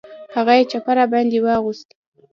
هغه یې چپه را باندې واغوست.